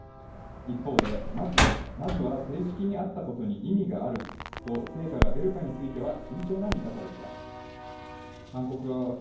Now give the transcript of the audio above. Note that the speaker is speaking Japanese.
一方で、まずは正式に会ったことに意味があると、成果が出るかについては、慎重な見方でした。